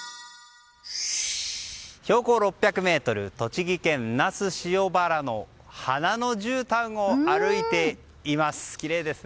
標高６００ｍ栃木県那須塩原の花のじゅうたんを歩いています。